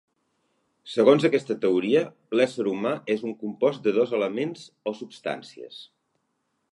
Segons aquesta teoria, l'ésser humà és un compost de dos elements o substàncies.